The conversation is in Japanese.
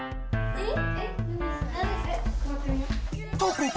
えっ！